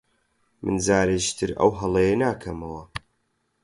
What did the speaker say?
من جارێکی تر ئەو هەڵەیە ناکەمەوە.